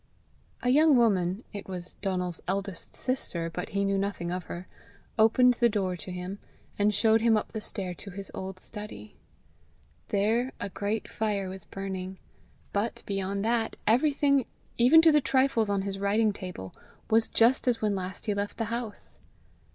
A young woman it was Donal's eldest sister, but he knew nothing of her opened the door to him, and showed him up the stair to his old study. There a great fire was burning; but, beyond that, everything, even to the trifles on his writing table, was just as when last he left the house.